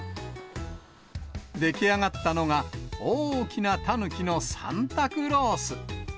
出来上がったのが、大きなタヌキのサンタクロース。